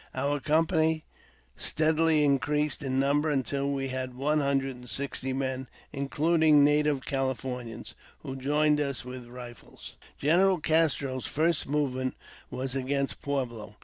Our company steadily increased in number until we had one hundred and sixty men, including native CaUfornians who joined us with rifles. General Castro's first movement was against Pueblo.